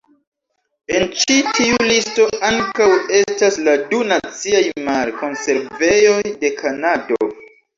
En ĉi tiu listo ankaŭ estas la du Naciaj Mar-Konservejoj de Kanado.